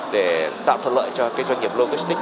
để tạo thuận lợi cho doanh nghiệp logistic